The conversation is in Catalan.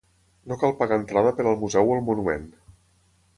No cal pagar entrada per al museu o el monument.